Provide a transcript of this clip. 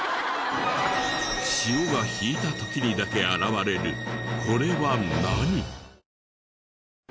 潮が引いた時にだけ現れるこれは何？